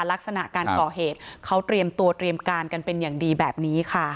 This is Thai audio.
ลักษณะการก่อเหตุเขาเตรียมตัวเตรียมการกันเป็นอย่างดีแบบนี้ค่ะ